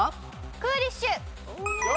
クーリッシュ！